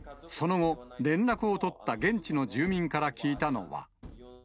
その後、連絡を取った現地の住民から聞いたのは。